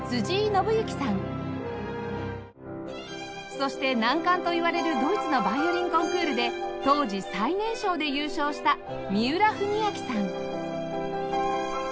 そして難関といわれるドイツのヴァイオリンコンクールで当時最年少で優勝した三浦文彰さん